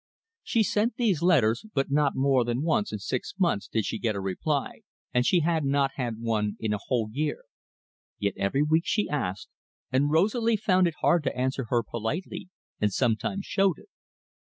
She sent these letters, but not more than once in six months did she get a reply, and she had not had one in a whole year. Yet every week she asked, and Rosalie found it hard to answer her politely, and sometimes showed it.